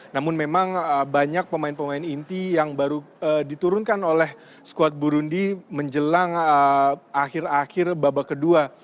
namun memang banyak pemain pemain inti yang baru diturunkan oleh squad burundi menjelang akhir akhir babak kedua